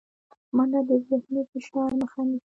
منډه د ذهني فشار مخه نیسي